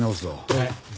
はい。